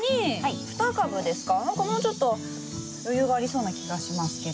何かもうちょっと余裕がありそうな気がしますけど。